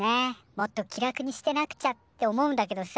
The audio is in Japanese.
もっと気楽にしてなくちゃ」って思うんだけどさ